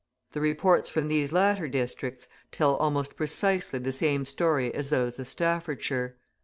The reports from these latter districts tell almost precisely the same story as those of Staffordshire.